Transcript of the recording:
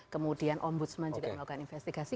kemudian ombudsman juga melakukan investigasi